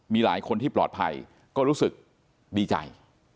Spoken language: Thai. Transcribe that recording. มีหลายคนที่ปลอดภัยก็รู้สึกดีใจ